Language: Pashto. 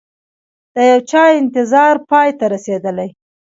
د یوچا انتظار پای ته رسیدلي